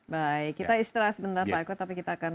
baik kita istirahat sebentar pak eko tapi kita akan